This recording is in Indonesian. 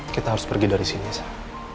kita harus pergi dari sini sah